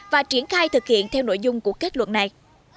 và triển khai thực hiện theo nội dung của kết luận này